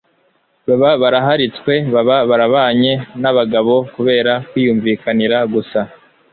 baba baraharitswe, baba barabanye n'abagabo kubera kwiyumvikanira gusa